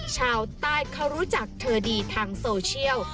ชาวใต้เขารู้จักเธอดีทางโซเชียล